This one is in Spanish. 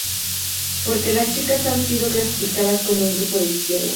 Por lo que las chicas han sido clasificadas como un grupo de izquierda.